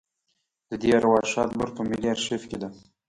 د دې ارواښاد لور په ملي آرشیف کې ده.